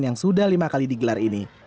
yang sudah lima kali digelar ini